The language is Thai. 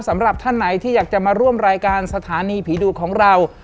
สำหรับท่านไหนที่อยากจะมาร่วมรายการสถานีผีดุของเรา